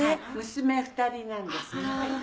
娘２人なんですね。